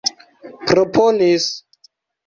proponis